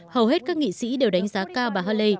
hầu hết các nghị sĩ đều đánh giá cao bà haley